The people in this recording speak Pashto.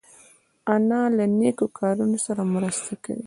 انا له نیکو کارونو سره مرسته کوي